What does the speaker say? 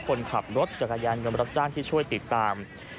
คนขับรถจักรยานเงินบริตรโน้ทจ้างที่ช่วยติดตาม